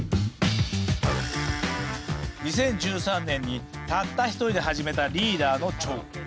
２０１３年にたった一人で始めたリーダーの張。